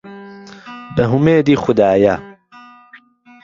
به هومێدیخودایه